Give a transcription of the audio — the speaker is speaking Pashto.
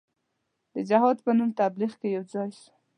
د جهاد په نوم تبلیغ کې یو ځای سو.